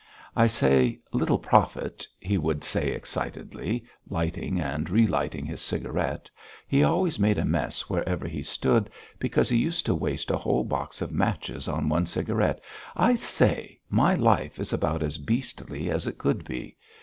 "I say, Little Profit," he would say excitedly, lighting and relighting his cigarette; he always made a mess wherever he stood because he used to waste a whole box of matches on one cigarette. "I say, my life is about as beastly as it could be.